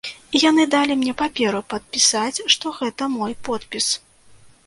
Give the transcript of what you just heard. І яны далі мне паперу падпісаць, што гэта мой подпіс.